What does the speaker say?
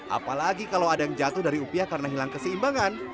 apalagi kalau ada yang jatuh dari upiah karena hilang keseimbangan